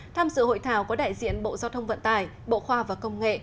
tham dự hội thảo có đại diện bộ giao thông vận tải bộ khoa và công nghệ